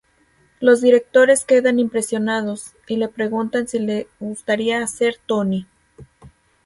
Los directores quedan impresionados, y le preguntan si le gustaría ser Tony.